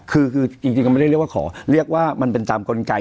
คือจริงก็ไม่ได้เรียกว่าขอเรียกว่ามันเป็นตามกลไก